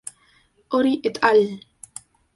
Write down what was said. Hori et al.